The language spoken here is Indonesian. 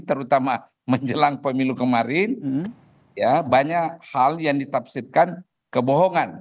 terutama menjelang pemilu kemarin banyak hal yang ditafsirkan kebohongan